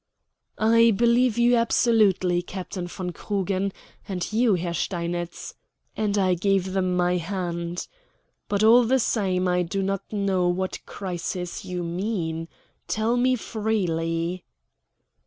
"I believe you absolutely, Captain von Krugen, and you, Herr Steinitz," and I gave them my hand. "But, all the same, I do not know what crisis you mean. Tell me freely."